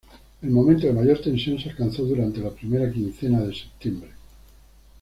El momento de mayor tensión se alcanzó durante la primera quincena de septiembre.